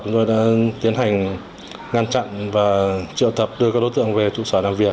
chúng tôi đã tiến hành ngăn chặn và triệu tập đưa các đối tượng về trụ sở làm việc